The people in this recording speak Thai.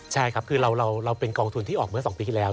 ใช่ครับคือเราเป็นกองทุนที่ออกเมื่อ๒ปีที่แล้ว